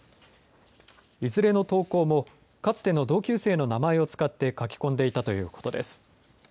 いずれの投稿もかつての同級生の名前を使って書き込んでいたということです。